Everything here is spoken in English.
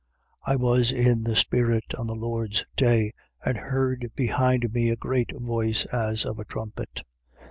1:10. I was in the spirit on the Lord's day and heard behind me a great voice, as of a trumpet, 1:11.